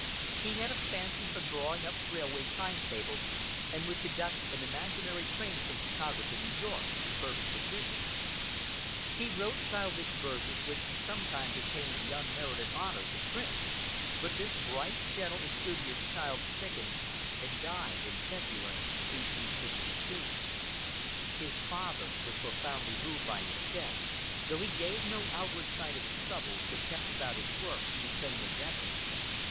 He had a fancy for drawing up railway time tables, and would conduct an imaginary train from Chicago to New York with perfect precision. He wrote childish verses, which sometimes attained the unmerited honors of print. But this bright, gentle and studious child sickened and died in February, 1862. His father was profoundly moved by his death, though he gave no outward sign of his trouble, but kept about his work, the same as ever.